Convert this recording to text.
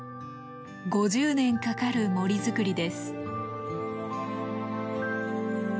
５０年かかる森作りです。